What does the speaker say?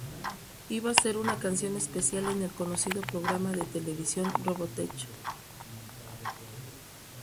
Iba a ser una canción especial en el conocido programa de televisión, Robotech.